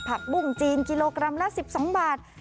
ผักบุ้งจีนกิโลกรัมละ๑๒บาท